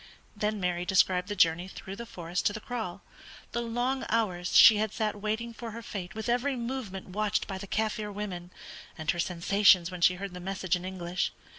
Then Mary described the journey through the forest to the kraal, the long hours she had sat waiting for her fate with every movement watched by the Kaffir women, and her sensations when she heard the message in English.